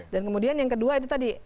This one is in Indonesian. dan kemudian yang kedua itu tadi